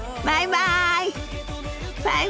バイバイ。